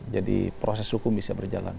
jadi proses hukum bisa berjalan